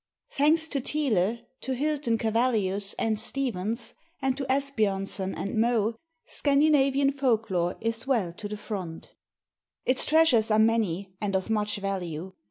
Thanks to Thiele, to Hylten Cavallius and Stephens, and to Asbjörnsen and Moe, Scandinavian Folklore is well to the front. Its treasures are many, and of much value.